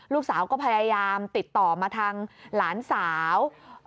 ลูกสาวก็พยายามติดต่อมาทางหลานสาว